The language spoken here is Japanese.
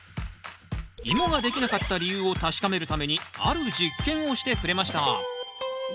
イモができなかった理由を確かめるためにある実験をしてくれました。